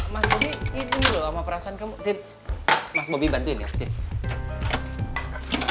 mas bubi ini dulu loh sama perasaan kamu tin mas bubi bantuin ya tin